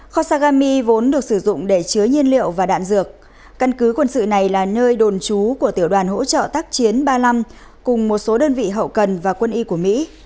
kho sagami vốn được sử dụng để chứa nhiên liệu và đạn dược căn cứ quân sự này là nơi đồn trú của tiểu đoàn hỗ trợ tác chiến ba mươi năm cùng một số đơn vị hậu cần và quân y của mỹ